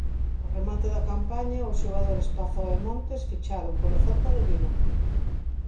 Ao remate da campaña os xogadores Pazó e Montes ficharon polo Celta de Vigo.